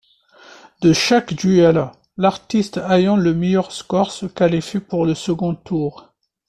De chaque duel, l'artiste ayant le meilleur score se qualifie pour le second tour.